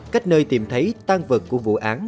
cách nơi tìm thấy tăng vật của vụ án